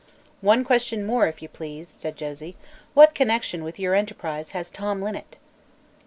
"One question more, if you please," said Josie. "What connection with your enterprise has Tom Linnet?"